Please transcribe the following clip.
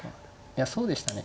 いやそうでしたね。